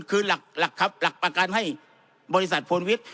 คืนหลักประการให้บริษัทโฟนวิทย์